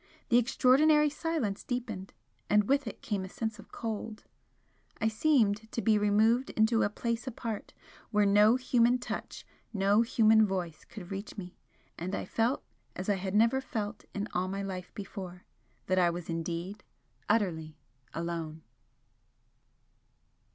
The extraordinary silence deepened and with it came a sense of cold; I seemed to be removed into a place apart, where no human touch, no human voice could reach me, and I felt as I had never felt in all my life before, that I was indeed utterly alone.